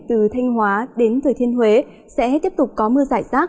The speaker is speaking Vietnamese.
từ thanh hóa đến thừa thiên huế sẽ tiếp tục có mưa giải rác